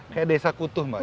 kayak desa kutuh mbak